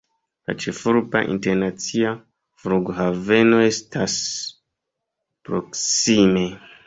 La ĉefurba internacia flughaveno estas proksime.